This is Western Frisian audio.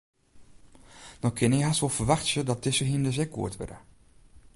No kinne je hast wol ferwachtsje dat dizze hynders ek goed wurde.